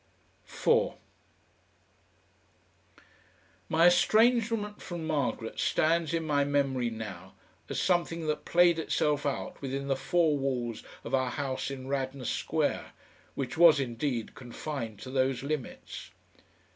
4 My estrangement from Margaret stands in my memory now as something that played itself out within the four walls of our house in Radnor Square, which was, indeed, confined to those limits.